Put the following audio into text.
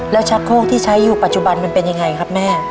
แล้วชักโคกที่ใช้อยู่ปัจจุบันมันเป็นยังไงครับแม่